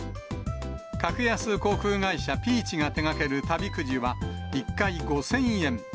格安航空会社、ピーチが手がける旅くじは、１回５０００円。